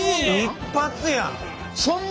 一発やん！